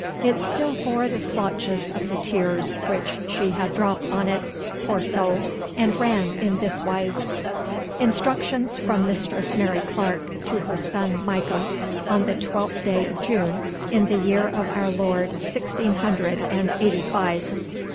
It still bore the splotches of the tears which she had dropped on it, poor soul, and ran in this wise: 'Instructions from Mistress Mary Clarke to her son Micah, on the twelfth day of June in the year of our Lord sixteen hundred and eighty five.